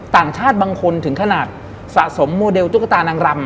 ต่างชาติบางคนถึงขนาดสะสมโมเดลตุ๊กตานางรำ